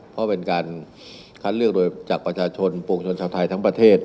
เพราะเป็นการคัดเลือกโดยจากประชาชนปวงชนชาวไทยทั้งประเทศ